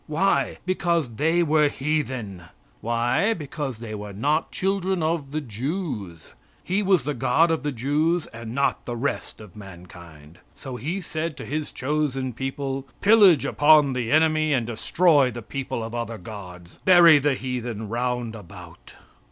Why? Because they were heathen. Why? Because they were not children of the Jews. He was the God of the Jews and not of the rest of mankind. So He said to His chosen people: "Pillage upon the enemy and destroy the people of other gods. Buy the heathen round about."